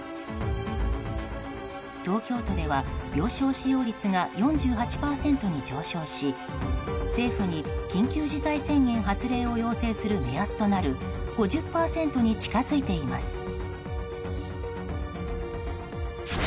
東京都では病床使用率が４８％に上昇し政府に緊急事態宣言発令を要請する目安となる５０％に近づいています。